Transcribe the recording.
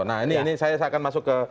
nah ini saya akan masuk ke